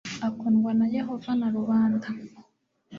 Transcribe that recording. akundwa na yehova na rubanda